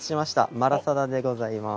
マラサダでございます。